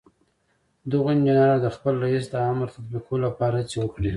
دغو انجنيرانو د خپل رئيس د امر تطبيقولو لپاره هڅې وکړې.